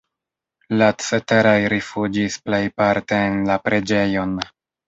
La ceteraj rifuĝis plejparte en la preĝejon.